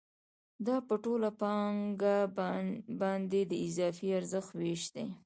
دا په ټوله پانګه باندې د اضافي ارزښت وېش دی